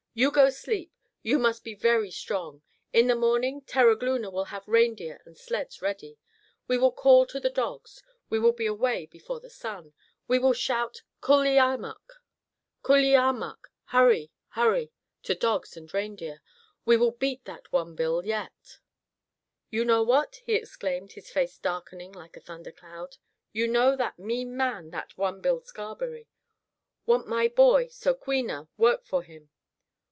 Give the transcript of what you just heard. You go sleep. You must be very strong. In the morning Terogloona will have reindeer and sleds ready. We will call to the dogs. We will be away before the sun. We will shout 'Kul le a muck, Kul le a muck' (Hurry! Hurry!) to dogs and reindeer. We will beat that one Bill yet. "You know what?" he exclaimed, his face darkening like a thundercloud, "You know that mean man, that one Bill Scarberry. Want my boy, So queena, work for him.